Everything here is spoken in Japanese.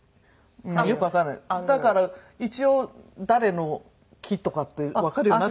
だから一応誰の木とかってわかるように。